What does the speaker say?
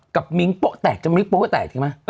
กับมิ้งโป๊ะแตกมิ้งโป๊ะแตกใช่ไหม